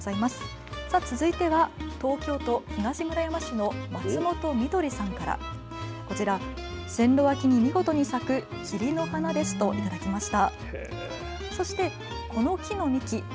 続いて、東京都東村山市の松本みどりさんからこちら、線路脇に見事に咲くきりの花ですと頂きました。